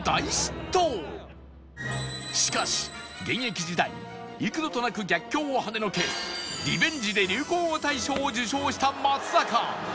しかし現役時代幾度となく逆境をはねのけ「リベンジ」で流行語大賞を受賞した松坂